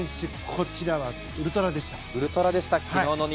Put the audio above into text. こちらはウルトラでした。